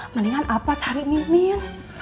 mendingan apa cari mimin